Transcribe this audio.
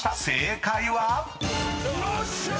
［正解は⁉］